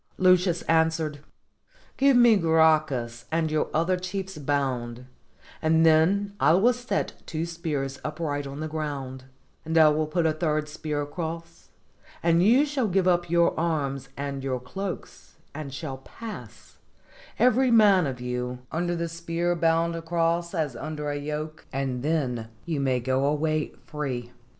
Lucius answered, "Give me Gracchus and your other chiefs bound, and then I will set two spears up right in the ground, and I will put a third spear across, and you shall give up your arms and your cloaks, and shall pass, every man of you, under the spear bound across as under a yoke, and then you may go away free."